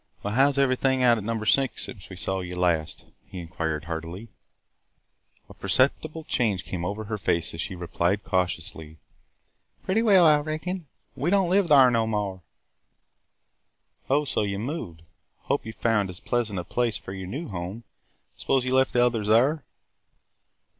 "Well, how's everything out at Number Six since we saw you last?" he inquired heartily. A perceptible change came over her face as she replied cautiously, "Pretty well, I reckon; but we don't live thyar no more." "Oh! so you 've moved! Hope you 've found as pleasant a place for your new home. Suppose you left the others there?"